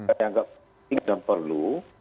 kita anggap ini sudah perlu